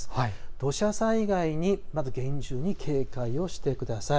土砂災害にまず厳重に警戒をしてください。